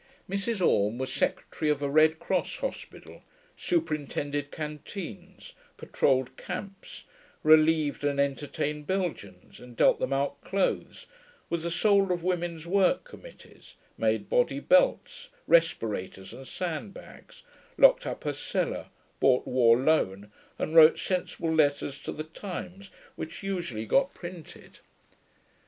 Mrs. Orme was secretary of a Red Cross hospital, superintended canteens, patrolled camps, relieved and entertained Belgians and dealt them out clothes, was the soul of Women's Work Committees, made body belts, respirators and sand bags, locked up her cellar, bought war loan, and wrote sensible letters to the Times, which usually got printed.